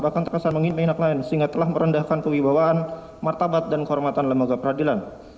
bahkan terkesan menginap lain sehingga telah merendahkan kewibawaan martabat dan kehormatan lembaga peradilan